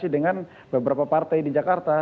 dengan beberapa partai di jakarta